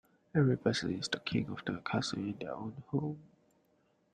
Every person is the king of the castle in their own home.